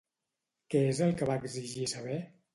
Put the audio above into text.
Què és el que va exigir saber?